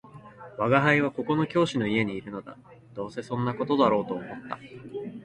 「吾輩はここの教師の家にいるのだ」「どうせそんな事だろうと思った